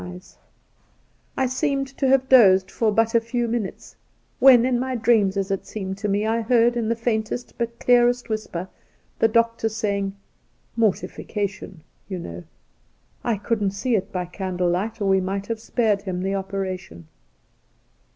Soltke 73 I seemed to have dozed for but a few minutes, when in my dreams, as it seemed to me, I heard in the faintest but clearest whisper the doctor saying :' Mortification, you know ! I couldn't see it by candle Ught, or we might have spared him the operation.'